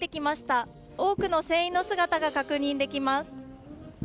甲板の上には多くの船員の姿が確認できます。」